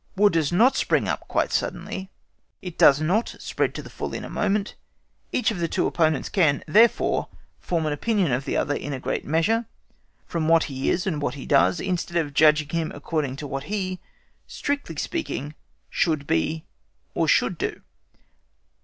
War does not spring up quite suddenly, it does not spread to the full in a moment; each of the two opponents can, therefore, form an opinion of the other, in a great measure, from what he is and what he does, instead of judging of him according to what he, strictly speaking, should be or should do.